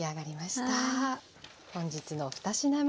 本日の２品目。